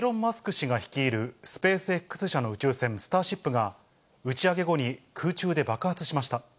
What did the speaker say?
氏が率いるスペースＸ社の宇宙船、スターシップが、打ち上げ後に空中で爆発しました。